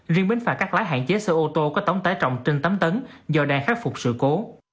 riêng bến phạm các lái hạn chế sở ô tô có tống tái trọng trên tám tấn do đang khắc phục sự cố